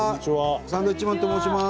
サンドウィッチマンと申します。